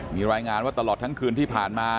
มีรายงานว่าตลอดทั้งคืนที่ผ่านมา